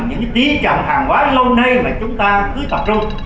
những cái tí trận hàng hóa lâu nay mà chúng ta cứ tập trung